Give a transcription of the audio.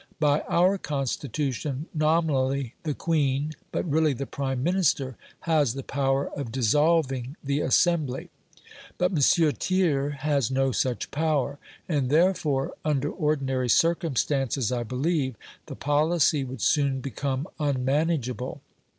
By our Constitution nominally the Queen, but really the Prime Minister, has the power of dissolving the Assembly. But M. Thiers has no such power; and therefore, under ordinary circumstances, I believe, the policy would soon become unmanageable.